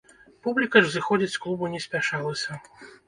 Публіка ж сыходзіць з клубу не спяшалася.